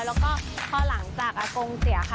แล้วก็พอหลังจากอากงเสียค่ะ